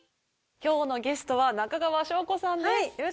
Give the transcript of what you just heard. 今日のゲストは中川翔子さんです。